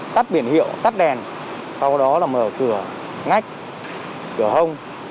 tắt biển hiệu tắt đèn sau đó là mở cửa ngách cửa hông